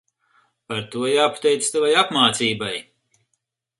Par to jāpateicas tavai apmācībai.